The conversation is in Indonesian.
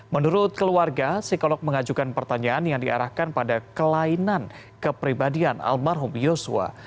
menurut keluarga psikolog mengajukan pertanyaan yang diarahkan pada kelainan kepribadian almarhum yosua